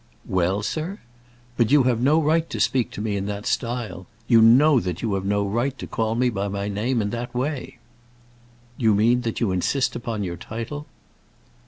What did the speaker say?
"Well, sir? But you have no right to speak to me in that style. You know that you have no right to call me by my name in that way!" "You mean that you insist upon your title?"